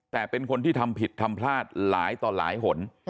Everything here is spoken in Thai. แต่เป็นคนที่ทำผิดทำพลาดหลายต่อหลายหน